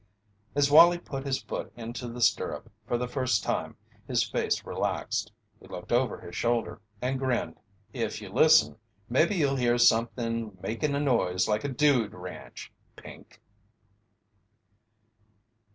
As Wallie put his foot into the stirrup for the first time his face relaxed. He looked over his shoulder and grinned: "If you listen, maybe you'll hear something making a noise like a dude ranch, Pink."